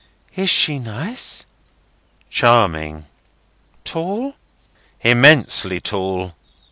"Is she nice?" "Charming." "Tall?" "Immensely tall!"